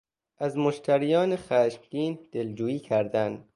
از مشتریان خشمگین دلجویی کردن